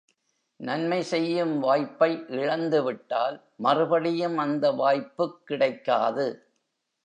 நன்மை செய்யும் வாய்ப்பை இழந்துவிட்டால் மறுபடியும் அந்த வாய்ப்புக் கிடைக்காது.